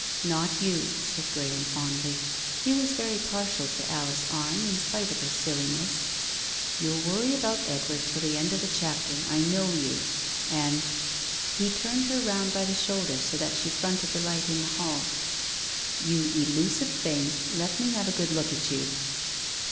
"Not you," said Graham fondly. He was very partial to Alice Arne in spite of her silliness. "You'll worry about Edward till the end of the chapter. I know you. And" — he turned her round by the shoulder so that she fronted the light in the hall — "you elusive thing, let me have a good look at you.